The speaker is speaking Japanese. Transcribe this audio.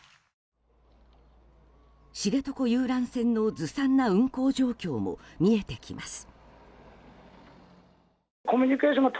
知床遊覧船のずさんな運航状況も見えてきます。